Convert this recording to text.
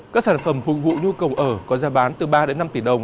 các sản phẩm hữu vụ nhu cầu ở có giá bán từ ba năm tỷ đồng